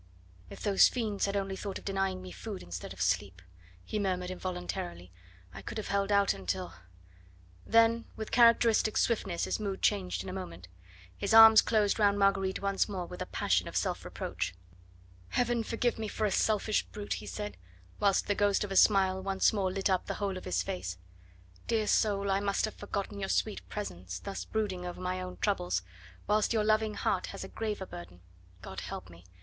"If those friends had only thought of denying me food instead of sleep," he murmured involuntarily, "I could have held out until " Then with characteristic swiftness his mood changed in a moment. His arms closed round Marguerite once more with a passion of self reproach. "Heaven forgive me for a selfish brute," he said, whilst the ghost of a smile once more lit up the whole of his face. "Dear soul, I must have forgotten your sweet presence, thus brooding over my own troubles, whilst your loving heart has a graver burden God help me!